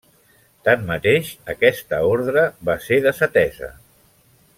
Tanmateix, aquesta ordre va ser desatesa.